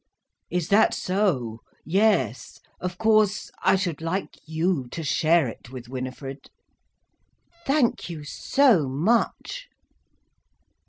"Is that so? Yes. Of course, I should like you to share it with Winifred." "Thank you so much."